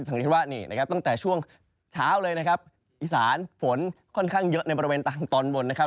สังเกตว่าตั้งแต่ช่วงเช้าเลยนะครับอิสานฝนค่อนข้างเยอะในบริเวณตอนบนนะครับ